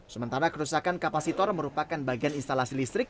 sementara kerusakan kapasitor merupakan bagian instalasi listrik